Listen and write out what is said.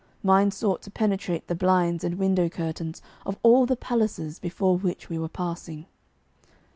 Mine sought to penetrate the blinds and window curtains of all the palaces before which we were passing.